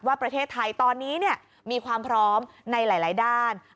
ว่าประเทศไทยตอนนี้มีความพร้อมในหลายด้าน